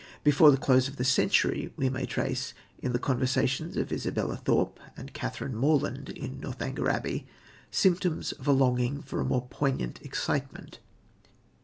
Before the close of the century we may trace, in the conversations of Isabella Thorpe and Catherine Morland in Northanger Abbey, symptoms of a longing for more poignant excitement.